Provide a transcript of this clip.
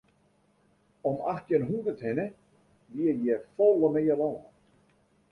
Om achttjin hûndert hinne wie hjir folle mear lân.